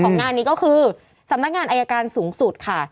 งานนี้ก็คือสำนักงานอายการสูงสุดค่ะ